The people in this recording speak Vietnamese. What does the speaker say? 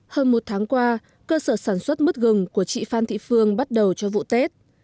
hơn một tháng qua cơ sở sản xuất mứt gừng của chị phan thị phương bắt đầu cho vụ tết